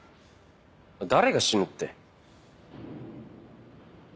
誰が死ぬって？